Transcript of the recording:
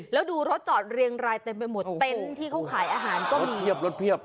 แล้วดูรถจอดเต็มไปหมดเต็มที่เค้าขายอาหารก็มี